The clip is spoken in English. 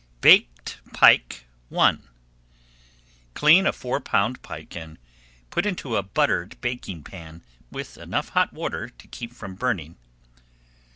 BAKED PIKE I Clean a four pound pike and put into a buttered baking pan with enough hot water to keep from burning.